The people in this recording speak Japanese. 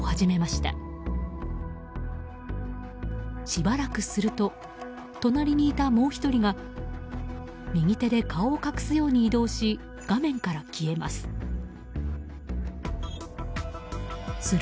しばらくすると隣にいたもう１人が右手で顔を隠すように移動し画面から消えます。